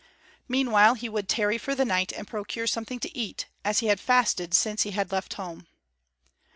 Meanwhile he would tarry for the night and procure something to eat, as he had fasted since he had left home.